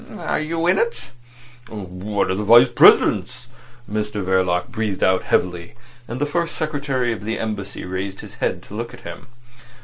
"Are you in it?" "One of the Vice Presidents," Mr Verloc breathed out heavily; and the First Secretary of the Embassy raised his head to look at him.